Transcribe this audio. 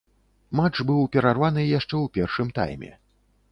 Матч быў перарваны яшчэ ў першым тайме.